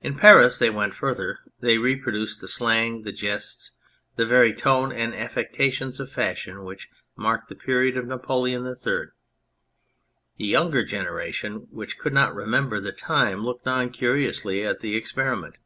In Paris they went further : they reproduced the slang, the jests, the very tone and affectations of fashion which marked the period of Napoleon III. The younger generation, which could not remember the time, looked on curiously at the experiment.